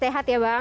sehat ya bang